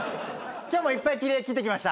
今日もいっぱい切り絵切ってきました。